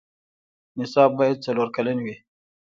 نصاب باید څلور کلن وي.